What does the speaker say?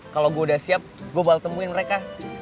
kalau gue udah siap gue bakal temuin mereka